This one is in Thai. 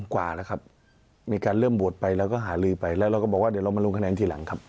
กว่าแล้วครับมีการเริ่มโหวตไปเราก็หาลือไปแล้วเราก็บอกว่าเดี๋ยวเรามาลงคะแนนทีหลังครับ